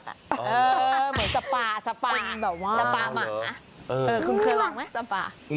เหมือนสปาสปาสปามาคุณเคยลองไหมสปา